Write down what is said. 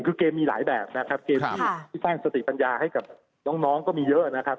คือเกมมีหลายแบบนะครับเกมที่สร้างสติปัญญาให้กับน้องก็มีเยอะนะครับ